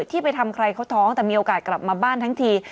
ที่ไปทำใครเขาท้องแต่มีโอกาสกลับมาบ้านทั้งที